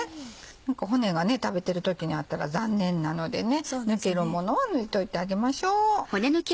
骨が食べてる時にあったら残念なのでね抜けるものは抜いといてあげましょう。